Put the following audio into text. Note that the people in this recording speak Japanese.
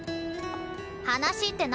話って何？